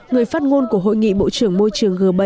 người phát ngôn của hội nghị bộ trưởng môi trường g bảy